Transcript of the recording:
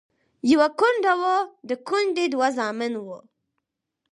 يوه کونډه وه، د کونډې دوه زامن وو.